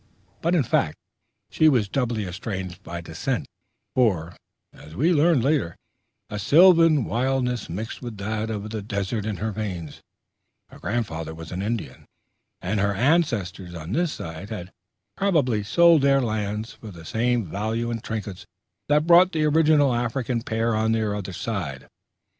But in fact, she was doubly estranged by descent; for, as we learned later, a sylvan wildness mixed with that of the desert in her veins: her grandfather was an Indian, and her ancestors on this side had probably sold their lands for the same value in trinkets that bought the original African pair on the other side.